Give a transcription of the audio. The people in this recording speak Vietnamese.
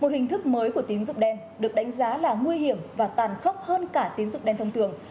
một hình thức mới của tín dụng đen được đánh giá là nguy hiểm và tàn khốc hơn cả tín dụng đen thông thường